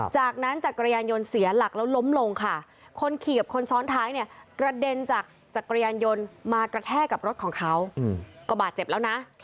จากนั้นจักรยานยนต์เสียหลักแล้วล้มลงค่ะคนขี่กับคนซ้อนท้ายเนี่ยกระเด็นจากจักรยานยนต์มากระแทกกับรถของเขาก็บาดเจ็บแล้วนะ